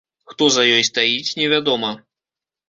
Хто за ёй стаіць, невядома.